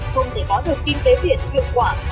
không thể có được kinh tế biển hiệu quả